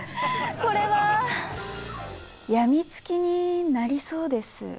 これは病みつきになりそうです。